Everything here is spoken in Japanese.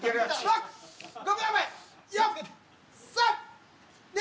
５秒前４３２。